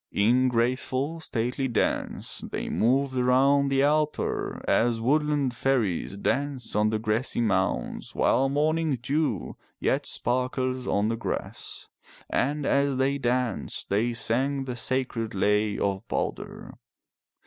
In graceful stately dance they moved around the altar as woodland fairies dance on the grassy mounds while morning dew yet sparkles on the grass. And as they danced they sang the sacred lay of Balder.